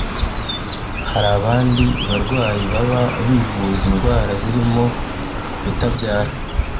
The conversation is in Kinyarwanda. Hari abandi barwayi baba bivuza indwara zirimo kutabyara